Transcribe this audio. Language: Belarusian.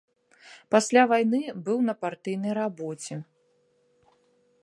Пасля вайны быў на партыйнай рабоце.